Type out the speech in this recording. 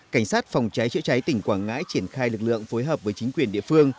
cảnh sát phòng cháy chữa cháy tỉnh quảng ngãi triển khai lực lượng phối hợp với chính quyền địa phương